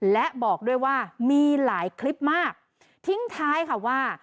และบอกด้วยว่ามีหลายคลิปมากทิ้งท้ายค่ะว่า